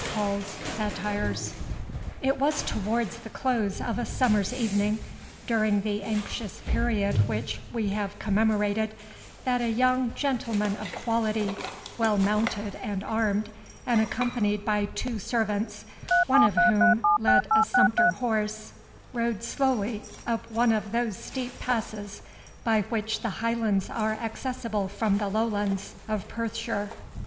HALL'S SATIRES It was towards the close of a summer's evening, during the anxious period which we have commemorated, that a young gentleman of quality, well mounted and armed, and accompanied by two servants, one of whom led a sumpter horse, rode slowly up one of those steep passes, by which the Highlands are accessible from the Lowlands of Perthshire.